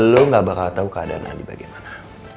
lu gak bakal tau keadaan andi bagaimana